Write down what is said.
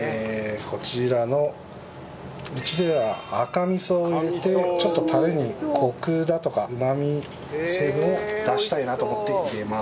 こちらのうちでは赤味噌を入れてちょっとタレにコクだとかうまみ成分を出したいなと思って入れます。